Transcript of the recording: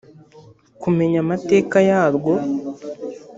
kumenya amateka yarwo